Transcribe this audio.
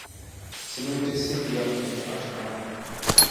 سلوک جس سے کیا ہم نے عاشقانہ کیا